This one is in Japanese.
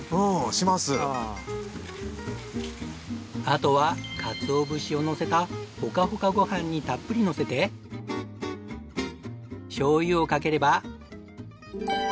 あとはかつお節をのせたホカホカごはんにたっぷりのせてしょうゆをかければ。